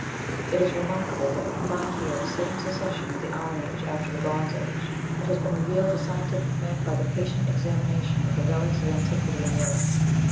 It is remarkable that we find here the same succession of the Iron Age after the Bronze Age that has been revealed to scientific men by the patient examination of the relics of antiquity in Europe.